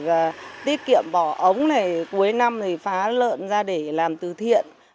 và tiết kiệm bỏ ống này cuối năm thì phá lợn ra để làm từ thiện